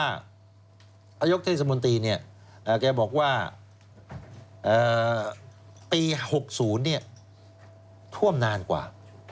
นายกเทศมนตรีเนี่ยแกบอกว่าปี๖๐ท่วมนานกว่า